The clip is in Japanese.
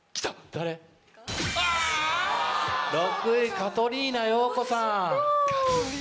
カトリーナ陽子さん。